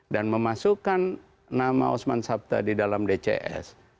memasukkan nama osman sabta di dalam dcs